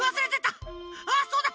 あっそうだ！